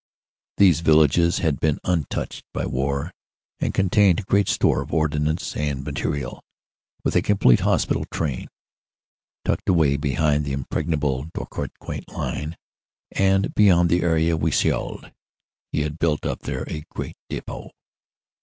These villages had been untouched by war and contained great store of ordnance and material, with a complete hospital train. Tucked away behind the impregnable Drocourt Queant line and beyond the area we shelled, he had built up there a great depot.